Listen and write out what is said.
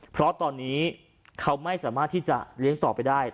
เพราะตอนนี้เขาไม่สามารถที่จะเลี้ยงต่อไปได้